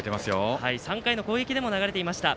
３回の攻撃でも流れていました。